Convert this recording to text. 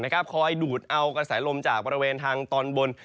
คอยดูดเอากระแสลมจากบริเวณทางตอนบน